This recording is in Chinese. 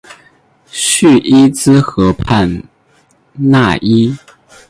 叙伊兹河畔讷伊。